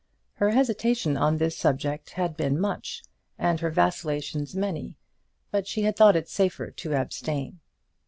Her hesitation on this subject had been much, and her vacillations many, but she had thought it safer to abstain.